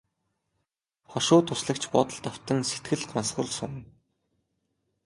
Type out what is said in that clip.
Хошуу туслагч бодолд автан сэтгэл гонсгор сууна.